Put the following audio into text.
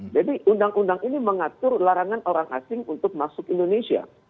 jadi undang undang ini mengatur larangan orang asing untuk masuk indonesia